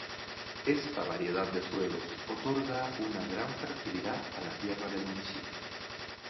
Esta variedad de suelos otorga una gran fertilidad a la tierra del municipio.